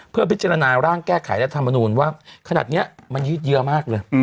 เพื่อพิจารณาร่างแก้ไขรัฐมนูลว่าขนาดนี้มันยืดเยอะมากเลย